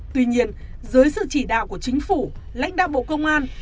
tuy nhiên dưới sự chỉ đạo của chính phủ lãnh đạo bộ công an